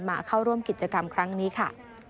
มาเข้าร่วมกิจกรรมครั้งนี้ค่ะ